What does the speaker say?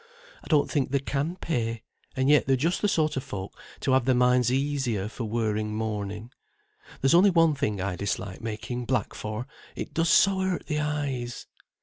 I don't think they can pay, and yet they're just the sort of folk to have their minds easier for wearing mourning. There's only one thing I dislike making black for, it does so hurt the eyes."